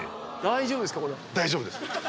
大丈夫です。